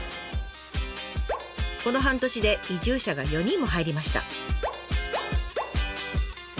この半年で移住者が４人も入りました。